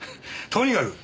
とにかく！